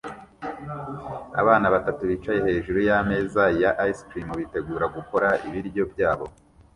Abana batatu bicaye hejuru yameza ya ice cream bitegura gukora ibiryo byabo